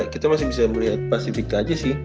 kita masih bisa melihat pacific itu aja sih